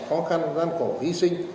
khó khăn gian khổ hy sinh